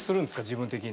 自分的に。